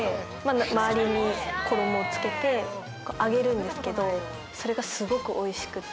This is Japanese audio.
周りに衣を付けて揚げるんですけどそれがすごく美味しくて。